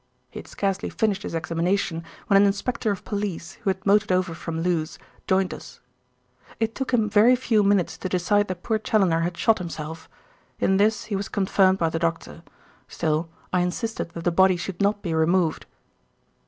He had scarcely finished his examination when an inspector of police, who had motored over from Lewes, joined us. "It took him very few minutes to decide that poor Challoner had shot himself. In this he was confirmed by the doctor. Still, I insisted that the body should not be removed."